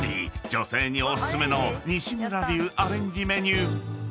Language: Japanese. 女性にお薦めの西村流アレンジメニュー］